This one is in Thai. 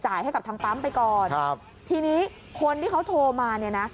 จ่ายให้กับทั้งปั๊มไปก่อนทีนี้คนที่เขาโทรมาเนี่ยนะ